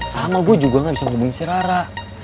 sama gue juga gak bisa ngomongin si rara